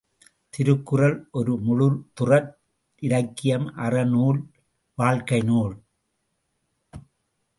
திருக்குறள் ஒரு முழுதுறழ் இலக்கியம் அறநூல் வாழ்க்கை நூல்.